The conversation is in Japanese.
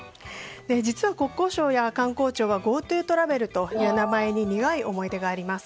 実は国交省や観光庁はＧｏＴｏトラベルという名前に苦い思い出があります。